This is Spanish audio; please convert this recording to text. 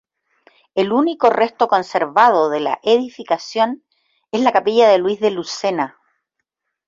El único resto conservado de la edificación es la capilla de Luis de Lucena.